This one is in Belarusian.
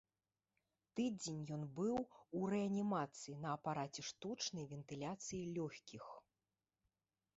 Тыдзень ён быў у рэанімацыі на апараце штучнай вентыляцыі лёгкіх.